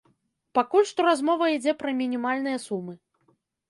Пакуль што размова ідзе пра мінімальныя сумы.